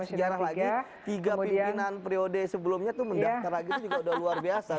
sejarah lagi tiga pimpinan periode sebelumnya itu mendaftar lagi itu juga udah luar biasa